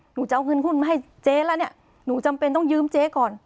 หนูจะเอาเงินหุ้นมาให้เจ๊แล้วเนี่ยหนูจำเป็นต้องยืมเจ๊ก่อน